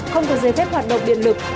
không có giấy phép hoạt động điện lực